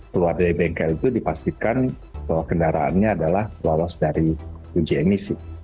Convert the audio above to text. keluar dari bengkel itu dipastikan bahwa kendaraannya adalah lolos dari uji emisi